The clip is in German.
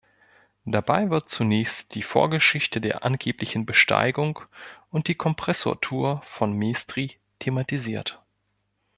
Dabei wird zunächst die Vorgeschichte der angeblichen Besteigung und die Kompressor-Tour von Maestri thematisiert.